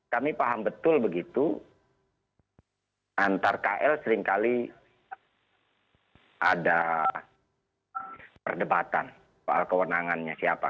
kami paham betul begitu antar kl seringkali ada perdebatan soal kewenangannya siapa